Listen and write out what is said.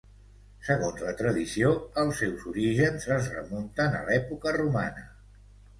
Segons la tradició, els seus orígens es remunten a l'època romana.